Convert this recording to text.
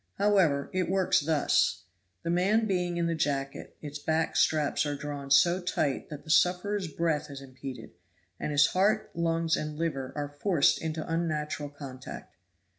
However, it works thus: The man being in the jacket its back straps are drawn so tight that the sufferer's breath is impeded, and his heart, lungs and liver are forced into unnatural contact.